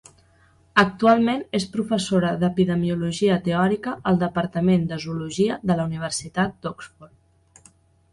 Actualment és professora d'epidemiologia teòrica al departament de zoologia de la Universitat d'Oxford.